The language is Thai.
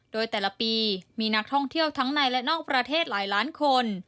โดยแต่ละปีมีนักท่องเที่ยวทั้งในและนอกประเทศหลายล้านคน